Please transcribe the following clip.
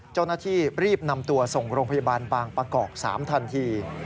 เจ้าหน้าที่รีบนำตัวส่งโรงพยาบาลบางประกอบ๓ทันที